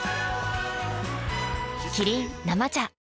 キリン「生茶」